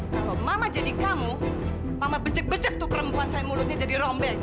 kalau mama jadi kamu mama becek becek tuh perempuan saya mulutnya jadi rombek